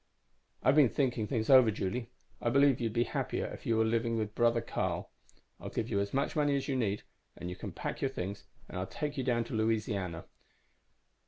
"I've been thinking things over, Julie. I believe you'd be much happier if you were living with brother Carl. I'll give you as much money as you need, and you can pack your things and I'll take you down to Louisiana."